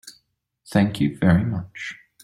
Thank you very much.